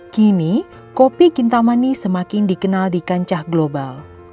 kini kopi kintamani semakin dikenal di kancah global